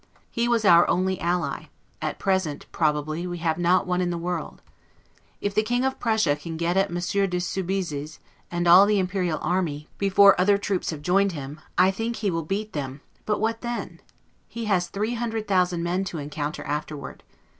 He was our only ally; at present, probably we have not one in the world. If the King of Prussia can get at Monsieur de Soubize's, and the Imperial army, before other troops have joined them, I think he will beat them but what then? He has three hundred thousand men to encounter afterward.